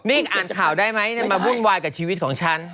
นี่อ่านข่าวได้ไหมมาวุ่นวายกับชีวิตของฉัน